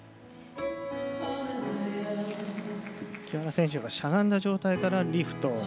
木原選手がしゃがんだ状態からリフト。